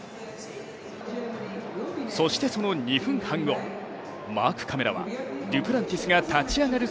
そして、その２分半後、マークカメラはデュプランティスが立ち上がる